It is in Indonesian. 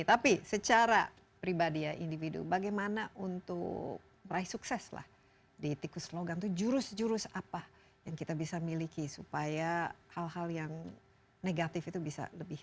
tapi secara pribadi ya individu bagaimana untuk meraih sukses lah di tikus logam itu jurus jurus apa yang kita bisa miliki supaya hal hal yang negatif itu bisa lebih